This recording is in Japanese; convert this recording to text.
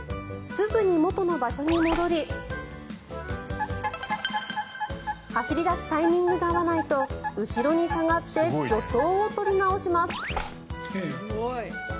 すぐに元の場所に戻り走り出すタイミングが合わないと後ろに下がって助走を取り直します。